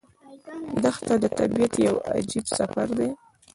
دښته د طبیعت یو عجیب سفر دی.